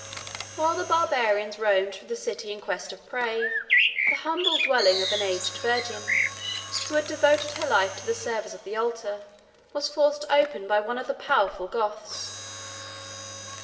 99 While the Barbarians roamed through the city in quest of prey, the humble dwelling of an aged virgin, who had devoted her life to the service of the altar, was forced open by one of the powerful Goths.